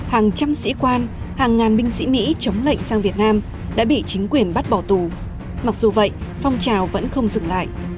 hàng trăm sĩ quan hàng ngàn binh sĩ mỹ chống lệnh sang việt nam đã bị chính quyền bắt bỏ tù mặc dù vậy phong trào vẫn không dừng lại